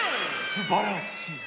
すばらしい。